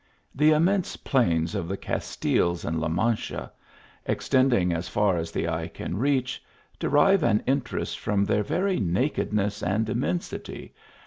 The immense plains of the Castiles and La Mancha, extending as far as the eye can reach, derive an interest from their very nakedness and imn .